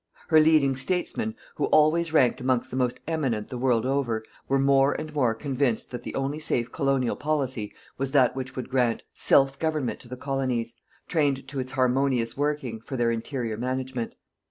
Her leading statesmen, who always ranked amongst the most eminent the world over, were more and more convinced that the only safe colonial policy was that which would grant "self government" to the colonies, trained to its harmonious working, for their interior management.